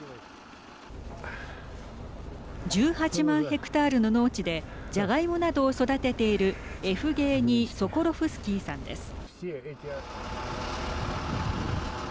１８万ヘクタールの農地でジャガイモなどを育てているエフゲーニー・ソコロフスキーさんです。